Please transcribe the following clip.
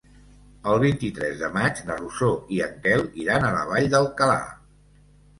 El vint-i-tres de maig na Rosó i en Quel iran a la Vall d'Alcalà.